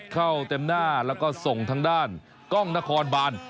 เต็มหน้าแล้วก็ส่งทางด้านกล้องนครบาน